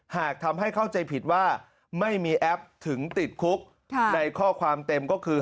หากทำให้เข้าใจผิดว่าไม่มีแอปถึงติดคุกในข้อความเต็มก็คือ